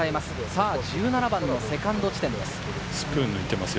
さぁ１７番、セカンド地点です。